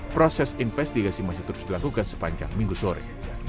proses investigasi masih terus dilakukan sepanjang minggu sore